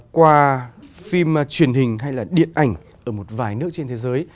qua phim truyền hình hay là điện ảnh ở một vài nước trên thế giới